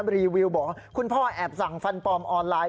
รีวิวบอกว่าคุณพ่อแอบสั่งฟันปลอมออนไลน์